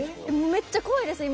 めっちゃ恐いです、今。